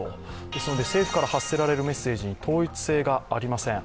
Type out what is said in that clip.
ですので、政府から発せられるメッセージに統一性がありません。